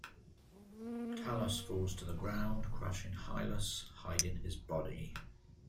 Talos falls to the ground, crushing Hylas, hiding his body.